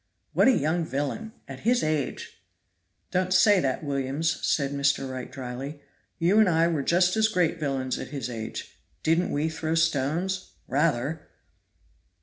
"What a young villain! at his age " "Don't say that, Williams," said Mr. Wright dryly, "you and I were just as great villains at his age. Didn't we throw stones? rather!"